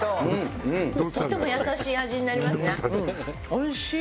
おいしい！